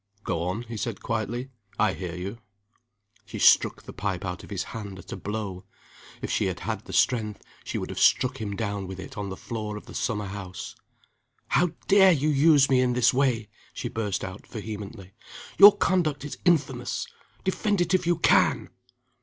"Go on," he said, quietly. "I hear you." She struck the pipe out of his hand at a blow. If she had had the strength she would have struck him down with it on the floor of the summer house. "How dare you use me in this way?" she burst out, vehemently. "Your conduct is infamous. Defend it if you can!"